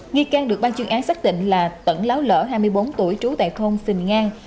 nghi can được ban chuyên án xác định là tẩn láo lở hai mươi bốn tuổi trú tại thôn phình ngang